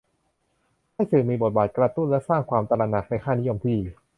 ให้สื่อมีบทบาทกระตุ้นและสร้างความตระหนักในค่านิยมที่ดี